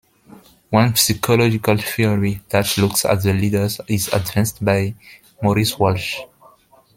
One psychological theory that looks at the leaders is advanced by Maurice Walsh.